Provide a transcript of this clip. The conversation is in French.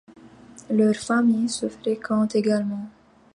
Leurs familles se fréquentent également.